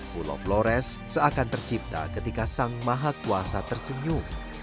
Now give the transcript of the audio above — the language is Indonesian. pulau flores seakan tercipta ketika sang maha kuasa tersenyum